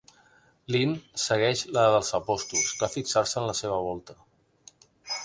Li'n segueix la dels Apòstols, cal fixar-se en la seva volta.